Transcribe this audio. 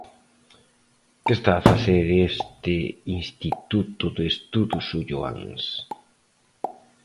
Que está a facer este Instituto de Estudos Ulloáns?